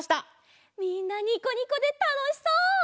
みんなにこにこでたのしそう！